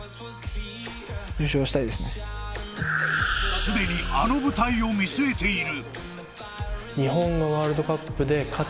すでにあの舞台を見据えている。